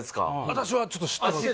私はちょっと知ってます